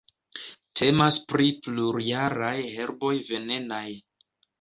Temas pri plurjaraj herboj venenaj.